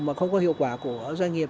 mà không có hiệu quả của doanh nghiệp